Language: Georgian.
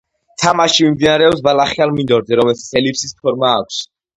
თამაში მიმდინარეობს ბალახიან მინდორზე, რომელსაც ელიფსის ფორმა აქვს.